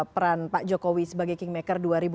peran pak jokowi sebagai kingmaker dua ribu dua puluh